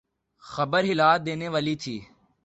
خبر ہلا دینے والی تھی۔